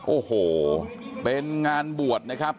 โอ้โหเป็นงานบวชนะครับ